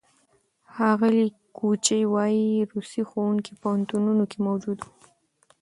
ښاغلي کوچي وايي، روسي ښوونکي پوهنتونونو کې موجود وو.